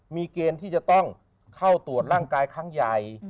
มีเกณฑ์ที่จะต้องเข้าตรวจร่างกายครั้งใหญ่